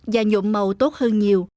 và nhộn màu tốt hơn nhiều